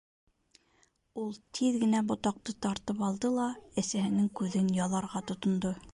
Ул тиҙ генә ботаҡты тартып алды ла, әсәһенең күҙен яларға тотондо.